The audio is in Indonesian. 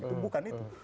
itu bukan itu